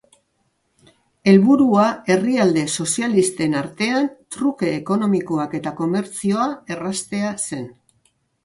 Helburua herrialde sozialisten artean truke ekonomikoak eta komertzioa erraztea zen.